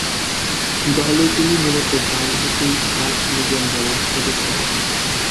দলে তিনি মূলতঃ ডানহাতি ফাস্ট-মিডিয়াম বোলার হিসেবে খেলেছেন।